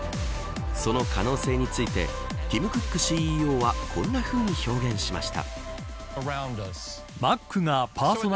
その可能性についてティム・クックＣＥＯはこんなふうに表現しました。